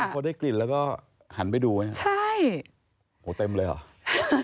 พอได้กลิ่นแล้วก็หันไปดูไหมใช่โหเต็มเลยเหรอ